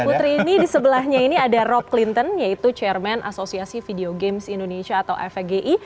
putri ini di sebelahnya ini ada rob clinton yaitu chairman asosiasi video games indonesia atau fgi